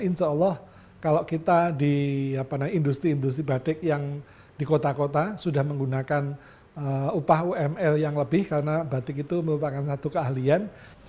insya allah kalau kita di industri industri batik yang di kota kota sudah menggunakan upah uml yang lebih karena batik itu merupakan satu keahlian